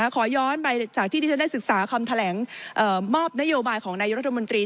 ขอย้อนไปจากที่ที่ฉันได้ศึกษาคำแถลงมอบนโยบายของนายรัฐมนตรี